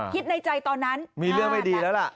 คิดในใจตอนนั้นมีเรื่องไม่ดีแล้วล่ะ